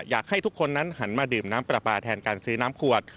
อยากให้ทุกคนนั้นหันมาดื่มน้ำปลาปลาแทนการซื้อน้ำขวด